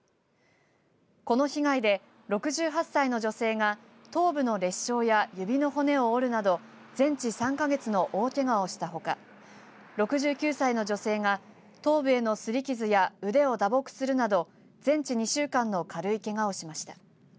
この被害で６８歳の女性が頭部の裂傷や指の骨を折るなど全治３か月の大けがをしたほか６９歳の女性が頭部へのすり傷や腕を打撲するなど全治２週間の軽いけがをしました。